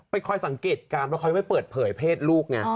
ไปคอยสังเกตการไปคอยไปเปิดเผยเพศลูกไง